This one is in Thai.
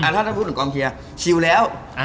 ถ้าพูดถึงกองเชียร์ชิลแล้ว